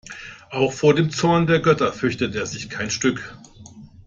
Auch vor dem Zorn der Götter fürchtet er sich kein Stück.